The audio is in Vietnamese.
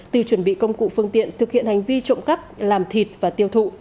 từ chuẩn bị công cụ phương tiện thực hiện hành vi trộm cắp làm thịt và tiêu thụ